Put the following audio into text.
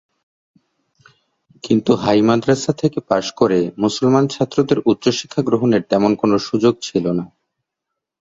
কিন্ত হাই মাদ্রাসা থেকে পাশ করে মুসলমান ছাত্রদের উচ্চশিক্ষা গ্রহণের তেমন কোন সুযোগ ছিল না।